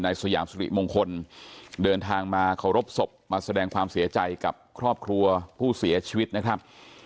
สยามสุริมงคลเดินทางมาเคารพศพมาแสดงความเสียใจกับครอบครัวผู้เสียชีวิตนะครับ